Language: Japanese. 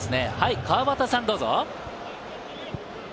川畑さん、どうぞ。